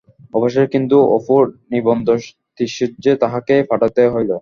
অবশেষে কিন্তু অপুর নির্বন্ধতিশয্যে তাহাকেই পাঠাইতে হইল।